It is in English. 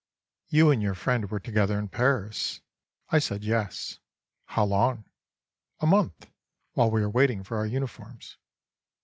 "You and your friend were together in Paris?" I said "yes." "How long?" "A month, while we were waiting for our uniforms."